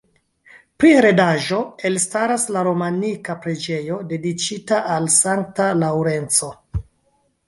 Pri heredaĵo, elstaras la romanika preĝejo, dediĉita al Sankta Laŭrenco.